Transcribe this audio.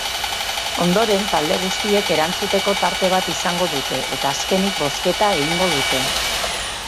Ondoren talde guztiek erantzuteko tarte bat izango dute eta azkenik bozketa egingo dute.